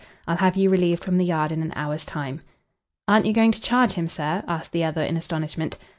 I'll have you relieved from the Yard in an hour's time." "Aren't you going to charge him, sir?" asked the other in astonishment.